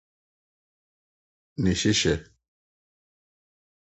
Ne Hyehyɛ.